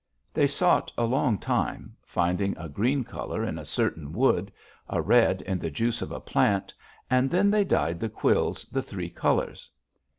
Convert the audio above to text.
"They sought a long time, finding a green color in a certain wood, a red in the juice of a plant, and then they dyed the quills the three colors.